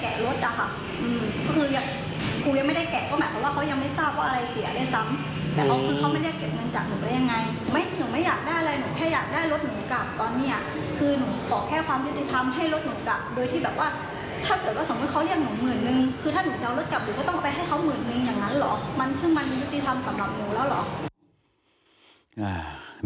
คือถ้าหนูจะเอารถกลับหนูก็ต้องไปให้เขาหมื่นหนึ่งอย่างนั้นหรอมันคือมันยุติธรรมสำหรับหนูแล้วหรอ